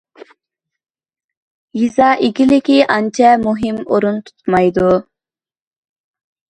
يېزا ئىگىلىكى ئانچە مۇھىم ئورۇن تۇتمايدۇ.